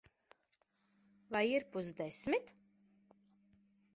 Vai ir pusdesmit?